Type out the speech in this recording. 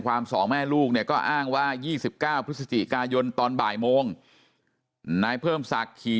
สองแม่ลูกเนี่ยก็อ้างว่า๒๙พฤศจิกายนตอนบ่ายโมงนายเพิ่มศักดิ์ขี่